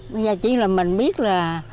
bây giờ chỉ là mình biết là